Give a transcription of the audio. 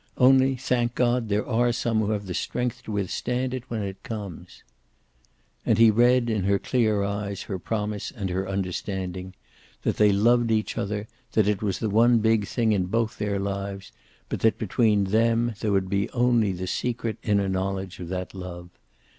Only, thank God, there are some who have the strength to withstand it when it comes." And he read in her clear eyes her promise and her understanding; that they loved each other, that it was the one big thing in both their lives, but that between them there would be only the secret inner knowledge of that love.